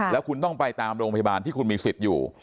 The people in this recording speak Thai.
แล้วคุณต้องไปตามโรงพยาบาลที่คุณมีสิทธิ์อยู่